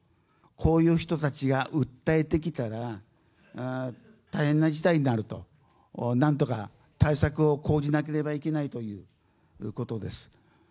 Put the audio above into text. こういう人たちが訴えてきたら、大変な事態になると、なんとか対策を講じなければいけないということです。